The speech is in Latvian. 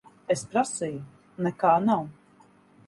Es prasīju. Nekā nav.